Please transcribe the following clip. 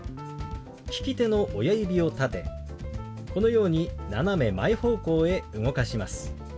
利き手の親指を立てこのように斜め前方向へ動かします。